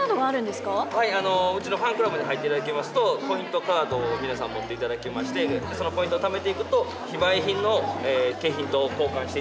うちのファンクラブに入っていただきますとポイントカードを皆さん持っていただきましてそのポイントをためていくと非売品の景品と交換していただけるという。